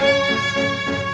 ya udah mbak